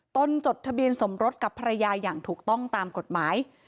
จดทะเบียนสมรสกับภรรยาอย่างถูกต้องตามกฎหมาย